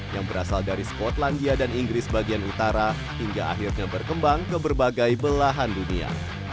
yang berasal dari skotlandia dan inggris bagian utara hingga akhirnya berkembang ke berbagai belahan dunia